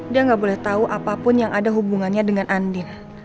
dia nggak boleh tahu apapun yang ada hubungannya dengan andin